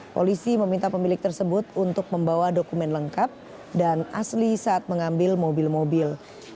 polisi meminta pemilik tersebut untuk membawa dokumen lengkap dan asli saat mengambil mobil mobil